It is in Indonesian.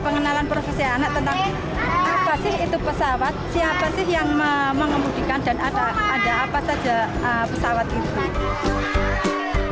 pengenalan profesi anak tentang apa sih itu pesawat siapa sih yang mengemudikan dan ada ada apa saja pesawat itu